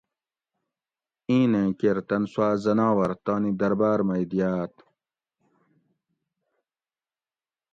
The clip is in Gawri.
ایں نیں کیر تن سوا حٔناور تانی دربار مئ دیاۤت